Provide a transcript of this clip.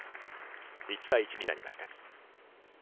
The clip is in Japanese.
１対１になりました。